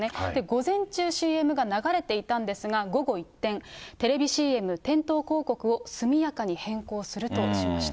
午前中、ＣＭが流れていたんですが、午後、一転、テレビＣＭ、店頭広告を速やかに変更するとしました。